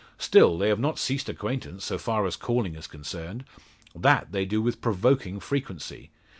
Still, they have not ceased acquaintance, so far as calling is concerned. That they do with provoking frequency.